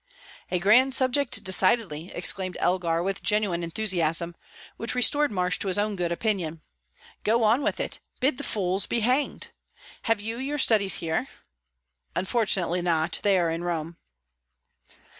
"A grand subject, decidedly!" exclaimed Elgar, with genuine enthusiasm, which restored Marsh to his own good opinion. "Go on with it! Bid the fools be hanged! Have you your studies here?" "Unfortunately not. They are in Rome."